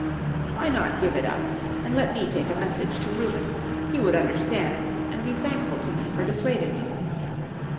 "Why not give it up and let me take a message to Reuben? He would understand and be thankful to me for dissuading you."